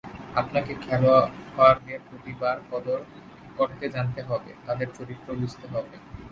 আপনাকে খেলোয়াড়দের প্রতিভার কদর করতে জানতে হবে, তাদের চরিত্র বুঝতে হবে।